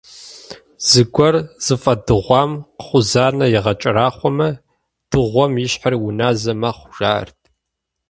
Зыгуэр зыфӏадыгъуам кхъузанэ игъэкӏэрахъуэмэ, дыгъуэм и щхьэр уназэ мэхъу, жаӏэрт.